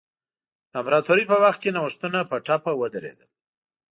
د امپراتورۍ په وخت کې نوښتونه په ټپه ودرېدل.